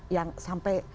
dua yang sampai